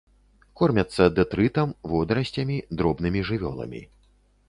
Кормяцца дэтрытам, водарасцямі, дробнымі жывёламі.